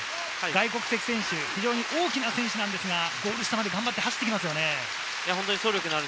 外国籍選手、大きな選手なんですけれども、ゴール下まで頑張って走ってきますよね。